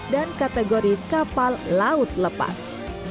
dan kategori kapal laut lepas